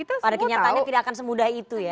pada kenyataannya tidak akan semudah itu ya